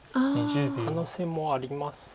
可能性もあります。